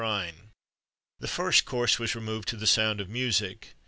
_] The first course was removed to the sound of music.